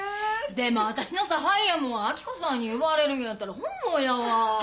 でもわたしのサファイアも明子さんに奪われるんやったら本望やわ。